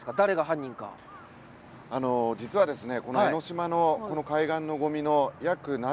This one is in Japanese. あの実はですね